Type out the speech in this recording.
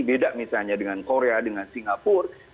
beda misalnya dengan korea dengan singapura